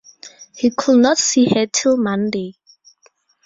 He could not see her till Monday.